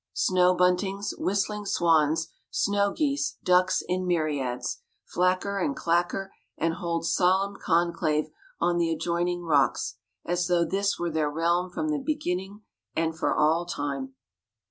Snow buntings, whistling swans, snow geese, ducks in myriads flacker and clacker and hold solemn conclave on the adjoining rocks, as though this were their realm from the beginning and for all time.